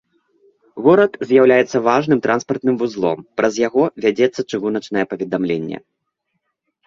Горад з'яўляецца важным транспартным вузлом, праз яго вядзецца чыгуначнае паведамленне.